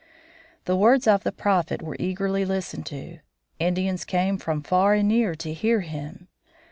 The words of the Prophet were eagerly listened to. Indians came from far and near to hear him.